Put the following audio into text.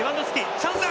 チャンスだ！